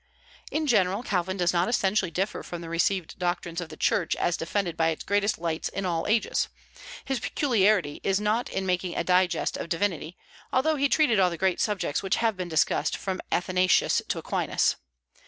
In general, Calvin does not essentially differ from the received doctrines of the Church as defended by its greatest lights in all ages. His peculiarity is not in making a digest of divinity, although he treated all the great subjects which have been discussed from Athanasius to Aquinas.